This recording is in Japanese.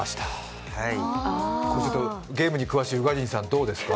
ゲームに詳しい宇賀神さん、どうですか？